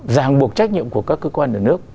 ràng buộc trách nhiệm của các cơ quan nhà nước